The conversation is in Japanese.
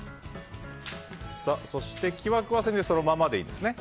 そして、木枠は先生そのままでいいんですね。